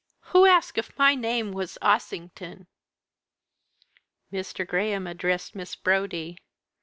Who asked if my name was Ossington?" Mr. Graham addressed Miss Brodie.